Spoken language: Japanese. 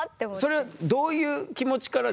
それはどういう気持ちからですか？